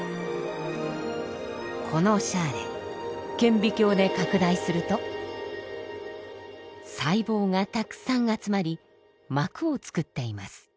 このシャーレ顕微鏡で拡大すると細胞がたくさん集まり膜を作っています。